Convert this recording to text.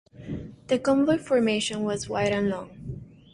The convoy formation was wide and long.